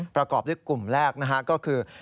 ประกอบด้วยกลุ่มแรกนะฮะก็คือ